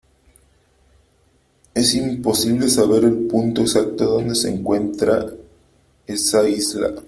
es imposible saber el punto exacto donde se encuentra esa isla .